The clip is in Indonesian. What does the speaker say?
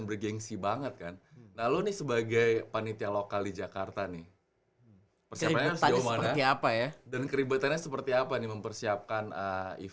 bergensi banget kan nah lu nih sebagai panitia lokal di jakarta nih dan keribetannya seperti apa ya dan keribetannya seperti apa nih mempersiapkan event world cup